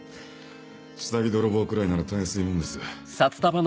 下着泥棒くらいならたやすいもんです。